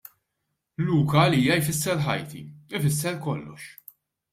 Luca għalija jfisser ħajti, ifisser kollox.